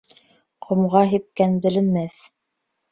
Ҡомға һипкән беленмәҫ